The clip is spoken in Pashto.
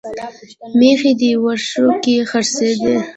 مېښې دې ورشو کښې څرېدې